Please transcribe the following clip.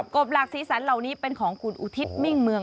บหลักสีสันเหล่านี้เป็นของคุณอุทิศมิ่งเมือง